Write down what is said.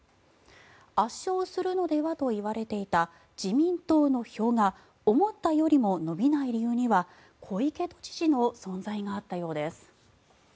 圧勝するのではといわれていた自民党の票が思ったよりも伸びない理由には小池都知事の存在があったようです。